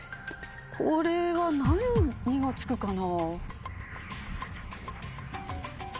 これは何が付くかな。